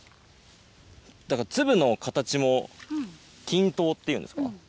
だから、粒の形も均等っていうんですか。